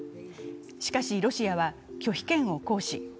しかし、ロシアは拒否権を行使。